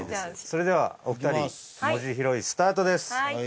それではお二人文字拾いスタートです。